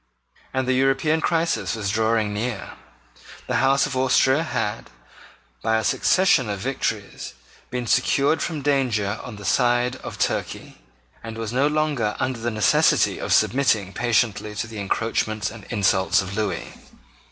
And the European crisis was drawing near. The House of Austria had, by a succession of victories, been secured from danger on the side of Turkey, and was no longer under the necessity of submitting patiently to the encroachments and insults of Lewis.